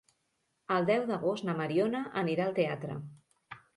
El deu d'agost na Mariona anirà al teatre.